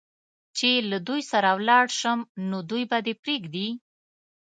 چې له دوی سره ولاړ شم، نو دوی به دې پرېږدي؟